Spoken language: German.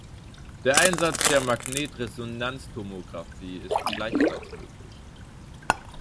Der Einsatz der Magnetresonanztomographie ist gleichfalls möglich.